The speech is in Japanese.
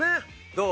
どう？